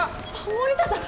森田さん！